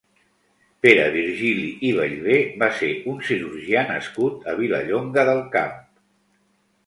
Pere Virgili i Bellver va ser un cirurgià nascut a Vilallonga del Camp.